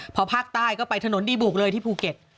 พอภาคใต้ก็ไปถนนดีบุกเลยที่ภูเก็ต